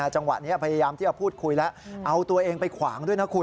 จังหวะนี้พยายามที่จะพูดคุยแล้วเอาตัวเองไปขวางด้วยนะคุณ